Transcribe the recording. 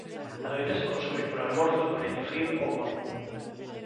Adóitase consumir polo almorzo con leite frío ou morno.